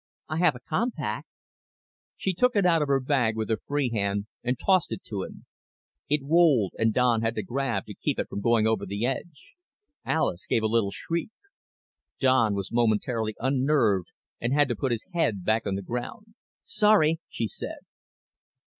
"I have a compact." She took it out of her bag with her free hand and tossed it to him. It rolled and Don had to grab to keep it from going over the edge. Alis gave a little shriek. Don was momentarily unnerved and had to put his head back on the ground. "Sorry," she said.